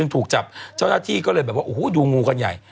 ถูกจับเจ้าหน้าที่ก็เลยแบบว่าโอ้โหดูงูกันใหญ่